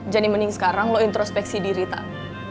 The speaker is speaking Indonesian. jadi mending sekarang lo introspeksi diri tak